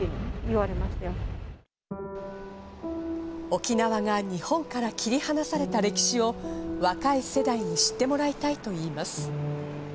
沖縄が日本から切り離された歴史を若い世代に知ってもらいたいと言います。